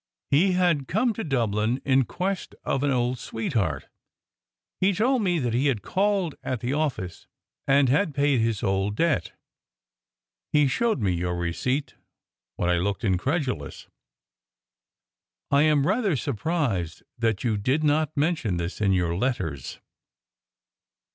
He had come to Dublin in quest of an old sweetheart. He told me that he had called at the office, and had paid his old debt. He showed me your receipt when I looked incredulous. I am rather surprised that you did not mention this in your letters."